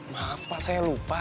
maaf pak saya lupa